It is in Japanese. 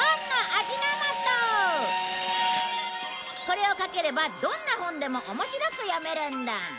これをかければどんな本でも面白く読めるんだ。